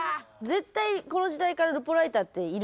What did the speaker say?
絶対この時代からルポライターっているんですよ。